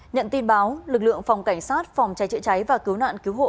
nhận tin báo lực lượng phòng cảnh sát phòng cháy chữa cháy và cứu nạn cứu hộ